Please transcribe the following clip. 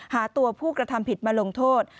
หาตัวผู้กระทำผิดมาลงโทษ